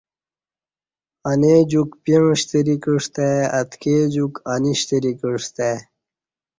انی جوک پیݩع شتری کعستہ ای اتکی جوک انی شتری کعستہ ای